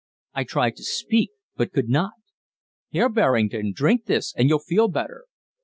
I tried to speak, but could not. "Here, Berrington, drink this and you'll feel better."